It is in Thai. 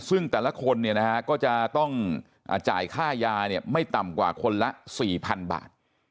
ซึ่งแต่ละคนเนี่ยนะฮะก็จะต้องอ่าจ่ายค่ายาเนี่ยไม่ต่ำกว่าคนละสี่พันบาท